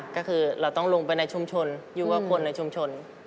ก็คือเราต้องลงไปในชุมชนอยู่กับคนในชุมชน